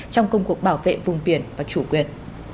trong công cuộc bảo vệ vùng biển và chủ quyền